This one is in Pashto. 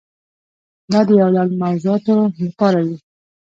دا د یو لړ موضوعاتو لپاره وي.